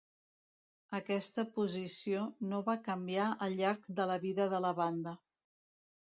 Aquesta posició no va canviar al llarg de la vida de la banda.